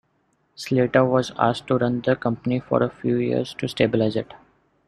Slater was asked to run the company for a few years to stabilize it.